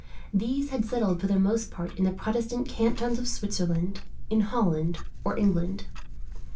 These had settled for the most part in the Protestant cantons of Switzerland, in Holland, or England.